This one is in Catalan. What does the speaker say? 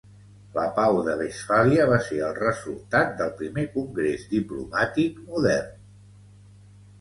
La Pau de Westfàlia va ser el resultat del primer congrés diplomàtic modern.